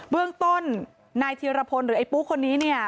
เรื่องต้นนายเทียรพลหรือไอ้ปุ๊คนนี้เนี่ย